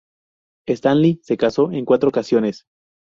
Stanley se casó en cuatro ocasiones.